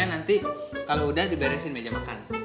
nanti kalau udah diberesin meja makan